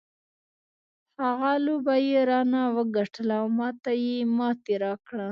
هغه لوبه یې رانه وګټله او ما ته یې ماتې راکړه.